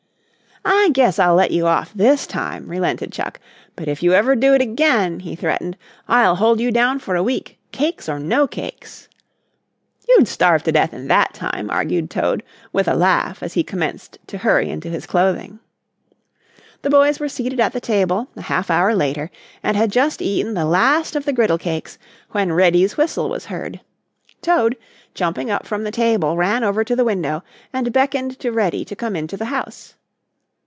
"I guess I'll let you off this time," relented Chuck, "but if you ever do it again," he threatened, "I'll hold you down for a week, cakes or no cakes." "You'd starve to death in that time," argued Toad, with a laugh as he commenced to hurry into his clothing. The boys were seated at the table, a half hour later, and had just eaten the last of the griddle cakes, when Reddy's whistle was heard. Toad, jumping up from the table, ran over to the window and beckoned to Reddy to come into the house.